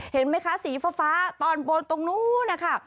เห็นไหมคะสีฟ้าตอนบนตรงนู้นนะคะ